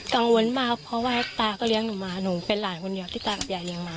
กังวลมากเพราะว่าตาก็เลี้ยงหนูมาหนูเป็นหลานคนเดียวที่ตากับยายเลี้ยงมา